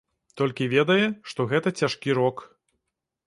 Толькі ведае, што гэта цяжкі рок.